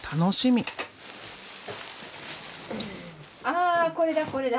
あこれだこれだ。